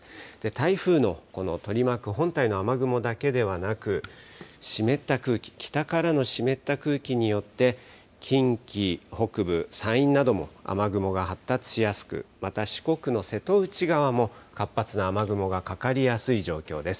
台風のこの取り巻く本体の雨雲だけではなく、湿った空気、北からの湿った空気によって、近畿北部、山陰なども雨雲が発達しやすく、また四国の瀬戸内側も活発な雨雲がかかりやすい状況です。